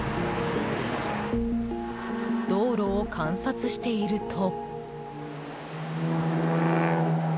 道路を観察していると。